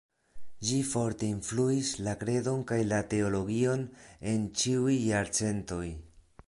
Ĝi forte influis la kredon kaj la teologion en ĉiuj jarcentoj.